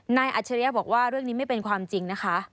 อัจฉริยะบอกว่าเรื่องนี้ไม่เป็นความจริงนะคะ